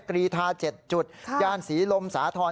กรีธา๗จุดย่านศรีลมสาธรณ